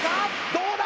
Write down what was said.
どうだ？